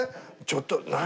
ちょっと何？